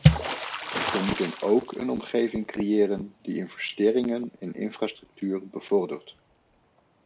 We moeten ook een omgeving creëren die investeringen in infrastructuur bevordert.